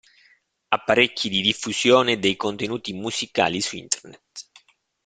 Apparecchi di diffusione dei contenuti musicali su Internet.